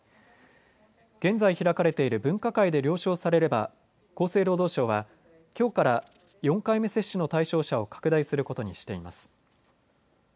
現在、開かれている分科会で了承されれば厚生労働省はきょうから４回目接種の対象者を拡大することにしています。